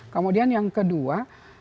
kemudian yang kedua